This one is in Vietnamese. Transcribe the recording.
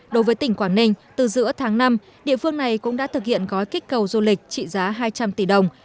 đối với tỉnh quảng ninh từ giữa tháng năm địa phương này cũng đã thực hiện gói kích cầu du lịch trị giá hai trăm linh tỷ đồng